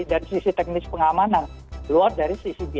dan kalau kita bicara keamanan pribadi sudah pakti